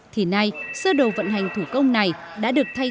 thì nay sơ đồ vận hành thủ công này đã được thay đổi